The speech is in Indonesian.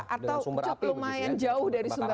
atau cukup lumayan jauh dari sumber api